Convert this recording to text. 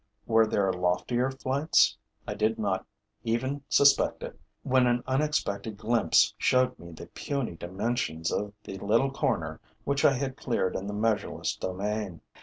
Were there loftier flights? I did not even suspect it, when an unexpected glimpse showed me the puny dimensions of the little corner which I had cleared in the measureless domain.